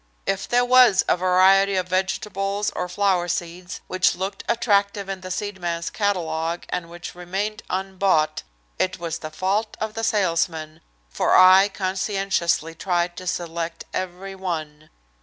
If there was a variety of vegetables or flower seeds which looked attractive in the seedman's catalogue, and which remained unbought, it was the fault of the salesman, for I conscientiously tried to select every one.